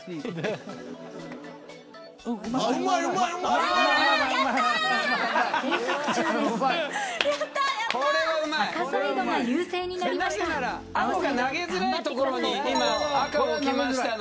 赤サイドが優勢になりました。